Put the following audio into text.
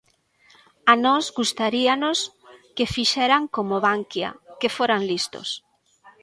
A nós gustaríanos que fixeran como Bankia, que foran listos.